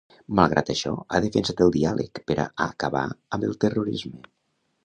Malgrat això, ha defensat el diàleg per a acabar amb el terrorisme.